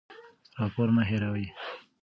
راپور مه هېروه.